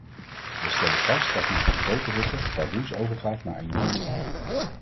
Wij stellen vast dat men van grote hitte pardoes overgaat naar enorme kou.